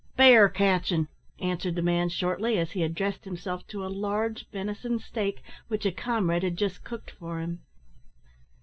"Bear catchin'," answered the man, shortly, as he addressed himself to a large venison steak, which a comrade had just cooked for him.